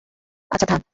আচ্ছা, থাম।